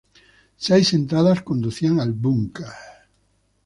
Seis entradas conducían al búnker.